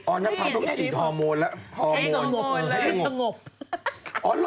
บอนน้ำพางต้องชิดฮอร์โมนแหละ